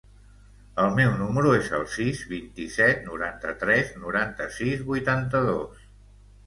El meu número es el sis, vint-i-set, noranta-tres, noranta-sis, vuitanta-dos.